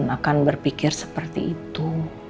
akan berpikir seperti itu